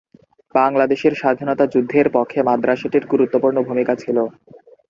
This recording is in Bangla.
বাংলাদেশের স্বাধীনতা যুদ্ধের পক্ষে মাদ্রাসাটির গুরুত্বপূর্ণ ভূমিকা ছিল।